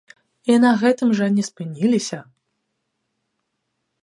І на гэтым жа не спыніліся!